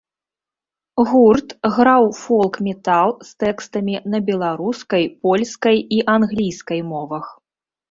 Гурт граў фолк-метал з тэкстамі на беларускай, польскай і англійскай мовах.